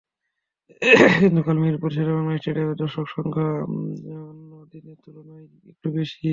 কিন্তু কাল মিরপুর শেরেবাংলা স্টেডিয়ামে দর্শকসংখ্যা অন্য দিনের তুলনায় একটু বেশিই।